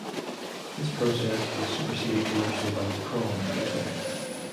This process was superseded commercially by the Kroll process.